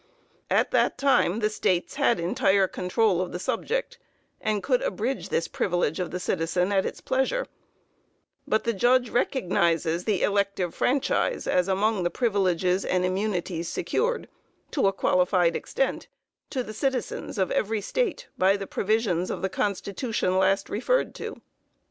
At that time the States had entire control of the subject, and could abridge this privilege of the citizen at its pleasure; but the judge recognizes the "elective franchise" as among the "privileges and immunities" secured, to a qualified extent, to the citizens of every State by the provisions of the constitution last referred to.